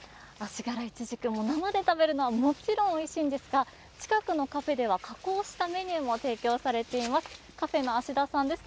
生で食べるのはもちろんおいしいんですが近くのカフェでは加工したメニューも提供されています。